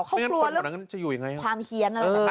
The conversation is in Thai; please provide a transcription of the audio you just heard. เขากลัวแล้วก็จะอยู่ยังไง